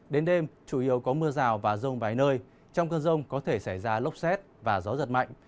đến đêm chủ yếu có mưa rào và rông vài nơi trong cơn rông có thể xảy ra lốc xét và gió giật mạnh